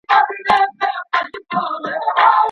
خصوصي پوهنتون بې بودیجې نه تمویلیږي.